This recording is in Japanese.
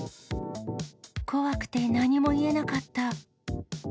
怖くて何も言えなかった。